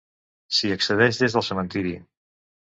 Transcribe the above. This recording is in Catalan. S'hi accedeix des del cementiri.